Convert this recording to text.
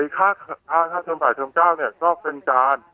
ค่าเทอม๘เทอม๙เนี่ยก็เป็นการ